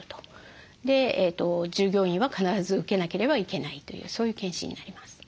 で従業員は必ず受けなければいけないというそういう健診になります。